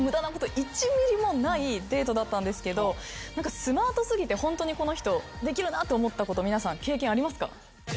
だったんですけどスマート過ぎてホントにこの人できるなと思ったこと皆さん経験ありますか？